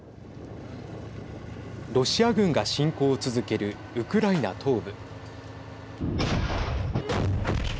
ロシア軍が侵攻を続けるウクライナ東部。